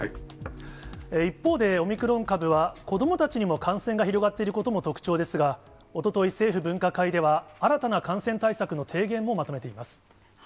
一方で、オミクロン株は子どもたちにも感染が広がっていることも特徴ですが、おととい、政府分科会では、新たな感染対策の提言をまとめています。